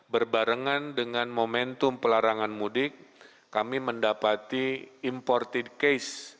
berbarengan dengan momentum pelarangan mudik kami mendapati imported case